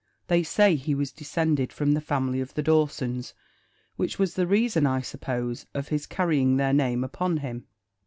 They say he was descended from the family of the Dawsons, which was the reason, I suppose, of his carrying their name upon him.